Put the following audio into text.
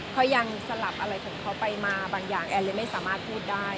เขายังสลับอะไรของเขาไปมาบางอย่างแอนเลยไม่สามารถพูดได้